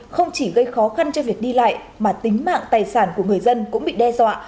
không chỉ gây khó khăn cho việc đi lại mà tính mạng tài sản của người dân cũng bị đe dọa